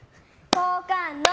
好感度！